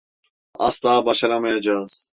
Asla başaramayacağız.